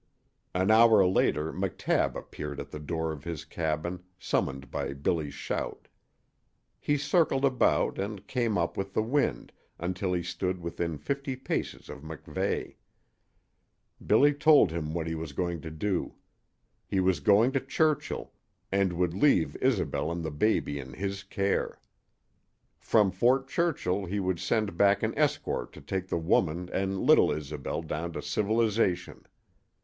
An hour later McTabb appeared at the door of his cabin, summoned by Billy's shout. He circled about and came up with the wind, until he stood within fifty paces of MacVeigh. Billy told him what he was going to do. He was going to Churchill, and would leave Isobel and the baby in his care. From Fort Churchill he would send back an escort to take the woman and little Isobel down to civilization.